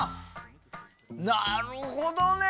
なるほどね！